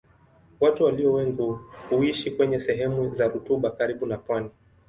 Watu walio wengi huishi kwenye sehemu za rutuba karibu na pwani.